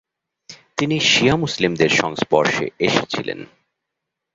তিনি শিয়া মুসলিমদের সংস্পর্শে এসেছিলেন।